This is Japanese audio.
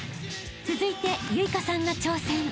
［続いて結翔さんが挑戦］